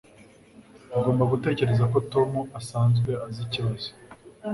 Ugomba gutekereza ko Tom asanzwe azi ikibazo.